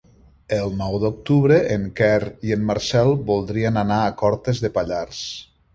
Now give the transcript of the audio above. El nou d'octubre en Quer i en Marcel voldrien anar a Cortes de Pallars.